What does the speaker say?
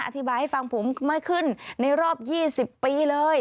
อธิบายให้ฟังผมไม่ขึ้นในรอบ๒๐ปีเลย